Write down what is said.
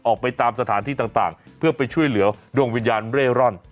ออกไปตามสถานที่ต่างเพื่อไปช่วยเหลือดวงวิญญาณเร่ร่อน